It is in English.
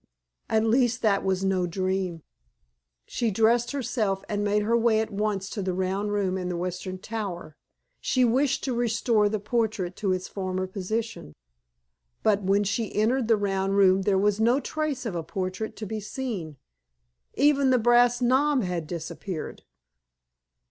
At least that was no dream. She dressed herself and made her way at once to the round room in the western tower; she wished to restore the portrait to its former position. But when she entered the round room there was no trace of a portrait to be seen; even the brass knob had disappeared.